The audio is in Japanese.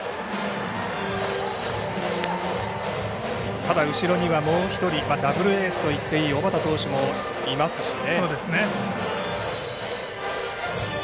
ただ後ろには、もう１人ダブルエースといってもいい小畠投手もいますしね。